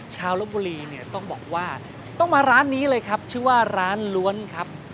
ลบบุรีเนี่ยต้องบอกว่าต้องมาร้านนี้เลยครับชื่อว่าร้านล้วนครับ